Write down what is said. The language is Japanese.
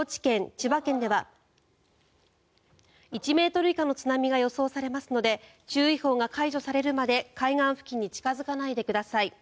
千葉県では１ｍ以下の津波が予想されますので注意報が解除されるまで海岸付近に近付かないでください。